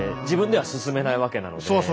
自分では進めないわけなので。